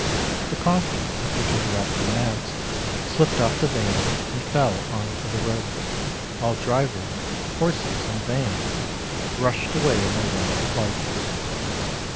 The coffin, which was wrapped in mats, slipped off the van and fell on to the road, while driver, horses, and van rushed away in their wild flight.